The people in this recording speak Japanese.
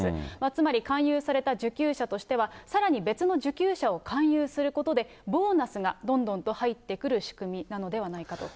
つまり勧誘された受給者としてはさらに別の受給者を勧誘することで、ボーナスがどんどんと入ってくる仕組みなのではないかと。